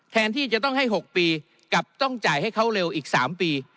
แทนที่จะต้องให้๖ปีกับต้องจ่ายให้เขาเร็วอีก๓ปี